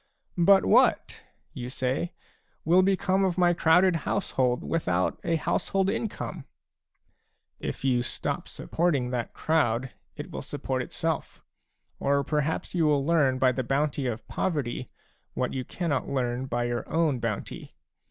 " But what," you say, " will become of my crowded household without a household income ?" If you stop supporting that crowd, it will support itself ; or perhaps you will learn by the bounty of poverty what you cannot learn by your own bounty.